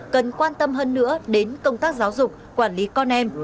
cần quan tâm hơn nữa đến công tác giáo dục quản lý con em